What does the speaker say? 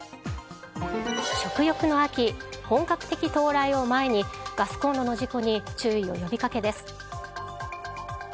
食欲の秋、本格的到来を前にガスコンロの事故に注意を呼びかけです。